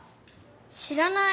知らない。